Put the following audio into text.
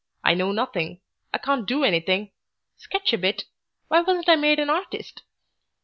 I know nothing. I can't do anything sketch a bit. Why wasn't I made an artist?